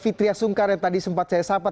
fitriah sungkar yang tadi sempat saya sapa